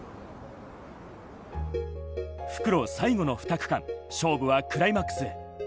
復路最後の２区間、勝負はクライマックスへ。